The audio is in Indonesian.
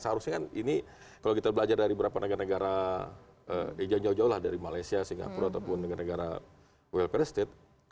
seharusnya kan ini kalau kita belajar dari beberapa negara negara ya jauh jauh lah dari malaysia singapura ataupun negara negara welfare state